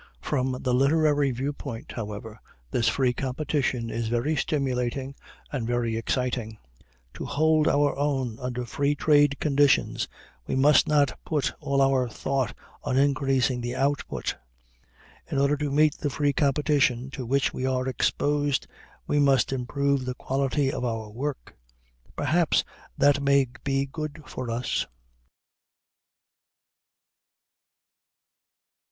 From the literary viewpoint, however, this free competition is very stimulating and even exciting. To hold our own under free trade conditions, we must not put all our thought on increasing the output. In order to meet the free competition to which we are exposed, we must improve the quality of our work. Perhaps that may be good for us.